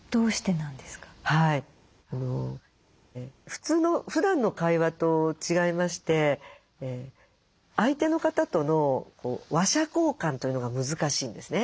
普通のふだんの会話と違いまして相手の方との話者交換というのが難しいんですね。